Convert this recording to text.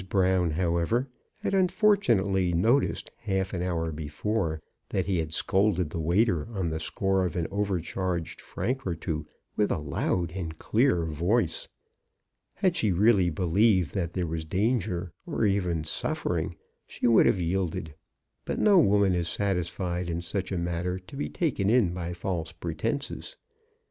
Brown, however, had unfortu nately noticed half an hour before that he had scolded the waiter on the score of an over charged franc or two with a loud and clear voice. Had she really believed that there was danger, or even suffering, she would have yielded; but no woman is satisfied in such a matter to be taken in by false pretences.